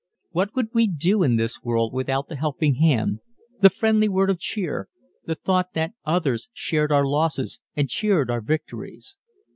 What would we do in this world without the helping hand, the friendly word of cheer, the thought that others shared our losses and cheered our victories?